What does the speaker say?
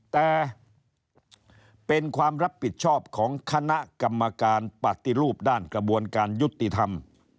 แต่เป็นความรับผิดชอบของคณะกรรมการปฏิรูปด้านกระบวนการยุติธรรม